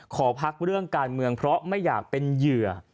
ขอพักเรื่องการเมืองเพราะไม่อยากเป็นเหยื่อ